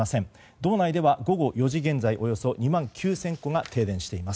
道内では午後４時現在およそ２万９０００戸が停電しています。